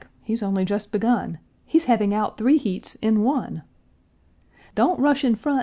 he's only just begun, He's having out three heats in one! "Don't rush in front!